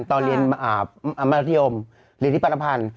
ตอนเรียนมัธยมเรียนที่ปรพันธ์